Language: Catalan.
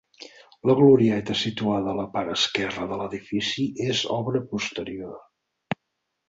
La glorieta situada a la part esquerra de l'edifici és obra posterior.